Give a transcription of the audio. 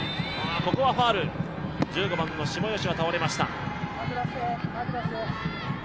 ここはファウル、１５番の下吉が倒れました。